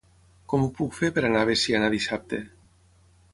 Com ho puc fer per anar a Veciana dissabte?